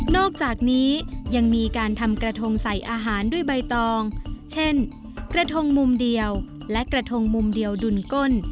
อกจากนี้ยังมีการทำกระทงใส่อาหารด้วยใบตองเช่นกระทงมุมเดียวและกระทงมุมเดียวดุลก้น